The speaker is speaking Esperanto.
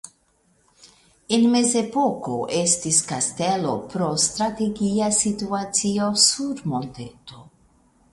En Mezepoko estis kastelo pro strategia situacio sur monteto.